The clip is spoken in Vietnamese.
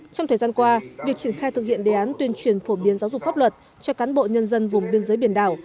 trong thời gian qua việc triển khai thực hiện đề án tuyên truyền phổ biến giáo dục pháp luật cho cán bộ nhân dân vùng biên giới biển đảo